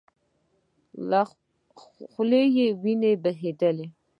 له خولې يې وينې بهيدلې.